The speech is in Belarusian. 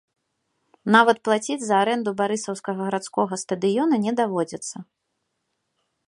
Нават плаціць за арэнду барысаўскага гарадскога стадыёна не даводзіцца.